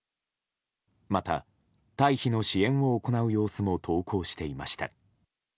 また、退避の支援を行う様子も投稿していました。